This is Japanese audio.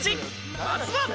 まずは。